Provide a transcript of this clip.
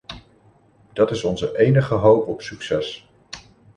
Dat is onze enige hoop op succes.